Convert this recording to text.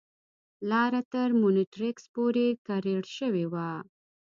لاره تر مونیټریکس پورې کریړ شوې وه.